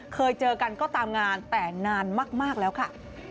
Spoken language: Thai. เคยเจอกันก็ตามงานแต่นานมากแล้วค่ะ